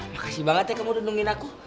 makasih banget ya kamu nunungin aku